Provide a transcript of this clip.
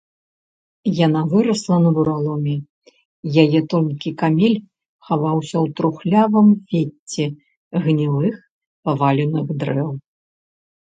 Яна вырасла на бураломе, яе тонкі камель хаваўся ў трухлявым вецці гнілых паваленых дрэў.